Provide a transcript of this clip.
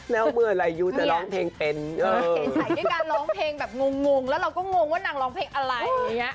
แล้วเราก็งงว่านังร้องเพลงอะไร